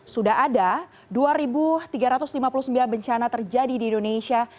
sudah ada dua tiga ratus lima puluh sembilan bencana terjadi di indonesia